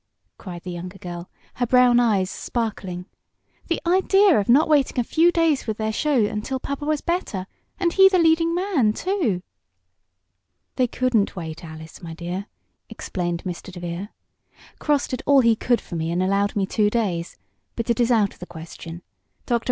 cried the younger girl, her brown eyes sparkling. "The idea of not waiting a few days with their show until papa was better; and he the leading man, too." "They couldn't wait, Alice, my dear," explained Mr. DeVere. "Cross did all he could for me, and allowed me two days. But it is out of the question. Dr.